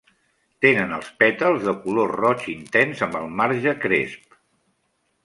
Tenen els pètals de color roig intens amb el marge cresp.